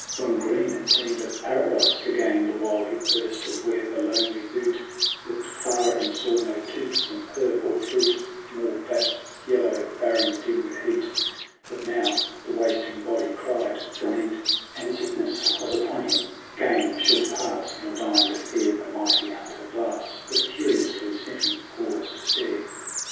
Yon green had seemed a paradise to gain The while he thirsted where the lonely butte Looked far and saw no toothsome herb or fruit In all that yellow barren dim with heat. But now the wasting body cried for meat, THE CRAWL 63 And sickness was upon him. Game should pass, Nor deign to fear the mighty hunter Glass, But curiously sniffing, pause to stare.